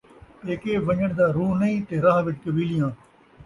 پیکے ونڄݨ دا روح نئیں تے راہ وچ کویلیاں